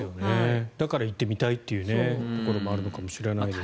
だから行ってみたいというのがあるのかもしれないですが。